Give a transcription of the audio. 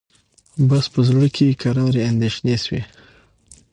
بس په زړه کي یې کراري اندېښنې سوې